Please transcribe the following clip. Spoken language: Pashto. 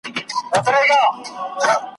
د پاچا تر اجازې وروسته وو تللی `